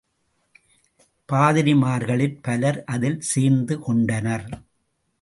பாதிரிமார்களிற் பலர் அதில் சேர்ந்து கொண்டனர்.